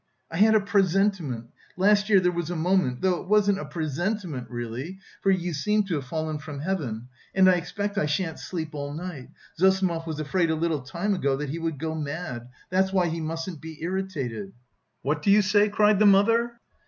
I had a presentiment... Last year there was a moment... though it wasn't a presentiment really, for you seem to have fallen from heaven. And I expect I shan't sleep all night... Zossimov was afraid a little time ago that he would go mad... that's why he mustn't be irritated." "What do you say?" cried the mother.